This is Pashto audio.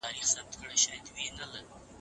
فولکلوري کیسې تر نورو کیسو ډېرې خوږې دي.